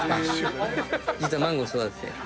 実はマンゴー育てて。